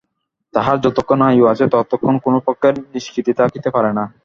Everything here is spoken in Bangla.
তাহার যতক্ষণ আয়ু আছে ততক্ষণ কোনো পক্ষের নিষ্কৃতি থাকিতে পারে না।